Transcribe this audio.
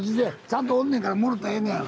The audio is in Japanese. ちゃんとおんねんからもろたらええねや！